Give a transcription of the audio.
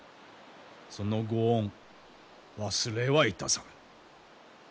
そのご恩忘れはいたさぬ。